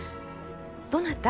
どなた？